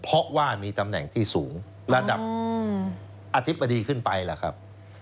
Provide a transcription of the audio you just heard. เพราะว่ามีตำแหน่งที่สูงระดับอธิบดีขึ้นไปล่ะครับ